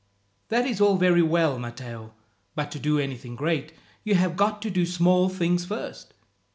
"That is all very well, Matteo; but to do anything great, you have got to do small things first.